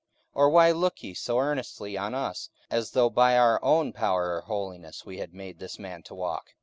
or why look ye so earnestly on us, as though by our own power or holiness we had made this man to walk?